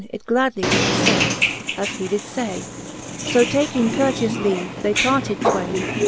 It gladly did accept, as he did fay. So taking courteous leave, they parted twayne.